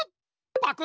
パク！